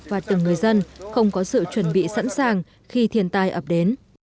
và từng người dân không có sự chuẩn bị sẵn sàng khi thiên tai ập đến